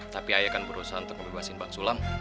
tapi ayah kan berusaha untuk ngebebasin bang sulam